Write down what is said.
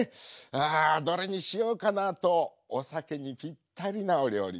あどれにしようかな。とお酒にぴったりなお料理